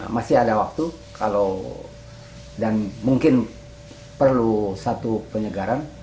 masih ada waktu kalau dan mungkin perlu satu penyegaran